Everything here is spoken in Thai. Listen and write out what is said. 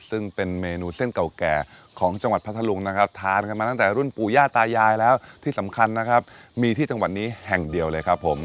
ซึ่งเป็นเมนูเส้นเก่าแก่ของจังหวัดพัทธลุงนะครับทานกันมาตั้งแต่รุ่นปู่ย่าตายายแล้วที่สำคัญนะครับมีที่จังหวัดนี้แห่งเดียวเลยครับผม